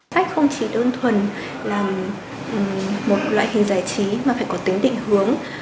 sách không chỉ đơn thuần là một loại hình giải trí mà phải có tính định hướng